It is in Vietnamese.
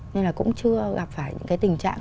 nên là cũng chưa gặp phải những cái tình trạng